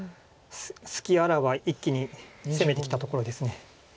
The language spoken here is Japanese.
隙あらば一気に攻めてきたところです。